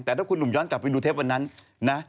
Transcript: แต่ถ้าคุณหนุ่มย้อนกลับไปดูเทปวันนั้นนะ